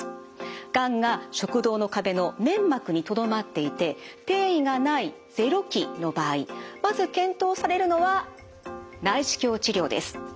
がんが食道の壁の粘膜にとどまっていて転移がない０期の場合まず検討されるのは内視鏡治療です。